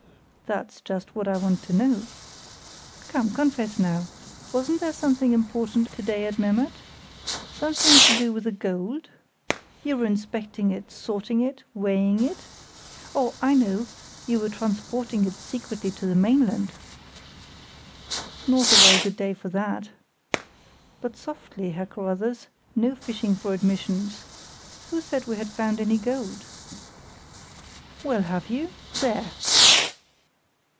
"That's just what I want to know. Come, confess now; wasn't there something important afoot to day at Memmert? Something to do with the gold? You were inspecting it, sorting it, weighing it? Or I know! You were transporting it secretly to the mainland?" "Not a very good day for that! But softly, Herr Carruthers; no fishing for admissions. Who said we had found any gold?" "Well, have you? There!"